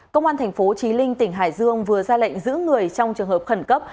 công an tp chí linh tỉnh hải dương vừa ra lệnh giữ người trong trường hợp khẩn cấp